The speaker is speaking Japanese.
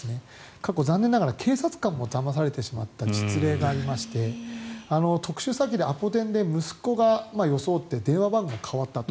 過去、残念ながら警察官もだまされてしまった実例がありまして特殊詐欺でアポ電で息子を装って電話番号が変わったと。